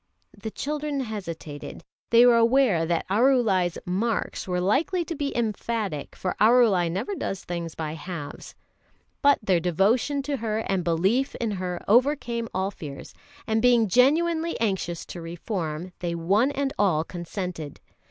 The children hesitated. They were aware that Arulai's "marks" were likely to be emphatic, for Arulai never does things by halves. But their devotion to her and belief in her overcame all fears; and being genuinely anxious to reform, they one and all consented.